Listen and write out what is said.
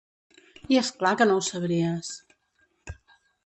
I és clar que no ho sabries!